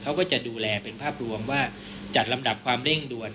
เขาก็จะดูแลเป็นภาพรวมว่าจัดลำดับความเร่งด่วน